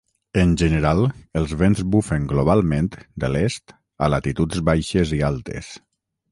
En general, els vents bufen globalment de l'est a latituds baixes i altes.